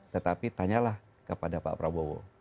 tetapi tanyalah kepada pak prabowo